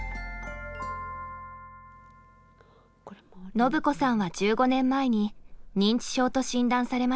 ノブ子さんは１５年前に認知症と診断されました。